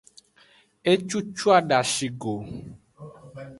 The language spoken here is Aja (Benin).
Ecucu adashi go.